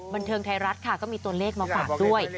บันเทิงไทยรัฐค่ะก็มีตัวเลขมาฝากด้วย